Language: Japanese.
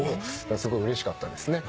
すごいうれしかったですね。